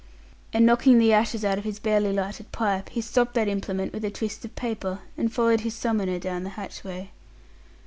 and knocking the ashes out of his barely lighted pipe, he stopped that implement with a twist of paper and followed his summoner down the hatchway.